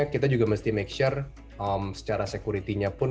kita juga mesti pastikan secara security nya pun